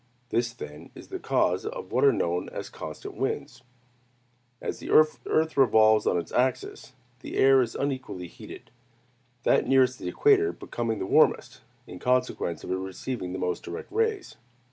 This, then, is the cause of what are known as constant winds. As the earth revolves on its axis, the air is unequally heated, that nearest the equator becoming the warmest, in consequence of its receiving the most direct rays.